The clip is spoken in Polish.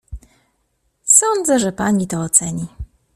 "Sądzę, że pani to oceni."